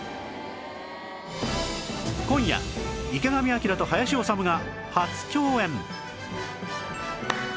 今夜池上彰と林修が初共演！